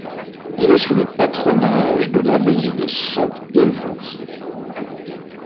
Il est sous le patronage de l'abbaye de Saint-Évroult.